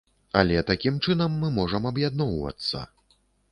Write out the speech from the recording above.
Але такім чынам мы можам аб'ядноўвацца.